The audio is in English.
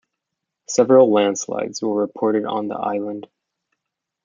Several landslides were reported on the island.